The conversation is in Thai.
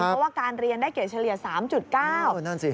เพราะว่าการเรียนได้เกรดเฉลี่ย๓๙